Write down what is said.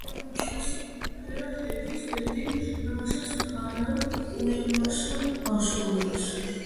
უცნაური აღმოჩნდა სიმღერა „ჰეფის“ ბედი, რომელსაც ფარელ უილიამსი ასრულებს.